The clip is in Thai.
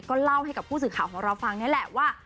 ก็เล่าให้กับผู้สื่อข่าวของเราฟังนี่แหละว่า